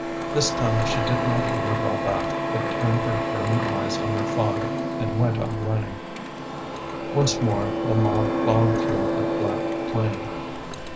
This time she did not even draw back, but turned her burning eyes on her father, and went on running. Once more the mob ploughed through the flat plain.